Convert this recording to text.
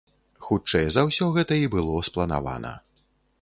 Хутчэй за ўсё гэта і было спланавана.